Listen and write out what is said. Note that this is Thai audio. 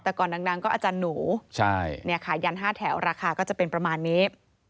แต่ก่อนดังก็อาจารย์หนูขายัน๕แถวราคาก็จะเป็นประมาณนี้